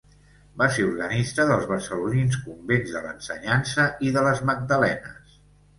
Va ser organista dels barcelonins convents de l'Ensenyança i de les Magdalenes.